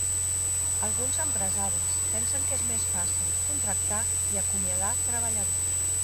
Alguns empresaris pensen que és més fàcil contractar i acomiadar treballadors.